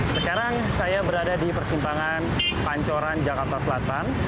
sekarang saya berada di persimpangan pancoran jakarta selatan